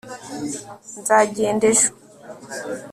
nzagenda ejo